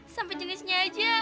sampai jenisnya aja